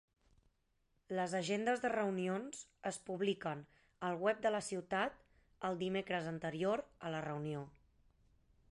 Les agendes de reunions es publiquen al web de la ciutat el dimecres anterior a la reunió.